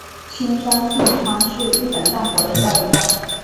青山信昌是日本战国时代武将。